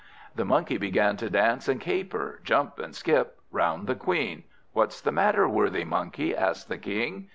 The Monkey began to dance and caper, jump and skip, round the Queen. "What is the matter, worthy Monkey?" asked the King.